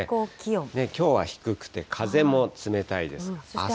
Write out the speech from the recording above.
きょうは低くて風も冷たいです。